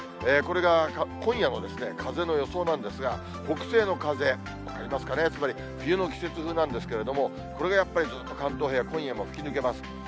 これが今夜の風の予想なんですが、北西の風、分かりますかね、つまり冬の季節風なんですけれども、これがやっぱりずっと関東平野、今夜も吹き抜けます。